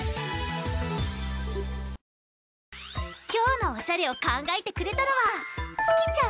きょうのおしゃれをかんがえてくれたのはつきちゃん。